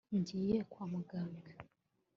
ngiye kwa muganga